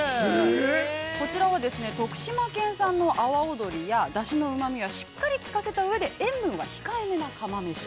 こちらは徳島県産の阿波尾鶏やだしのうまみがしっかり聞かせた上で、塩分は控えめな釜飯。